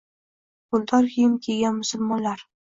Guldor kiyim kiygan musulmonlar